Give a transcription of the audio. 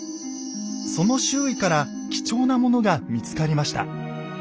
その周囲から貴重なものが見つかりました。